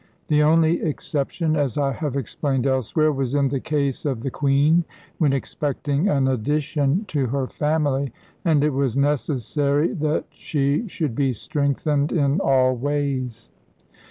The only exception, as I have explained elsewhere, was in the case of the queen when expecting an addition to her family, and it was necessary that she should be strengthened in all ways.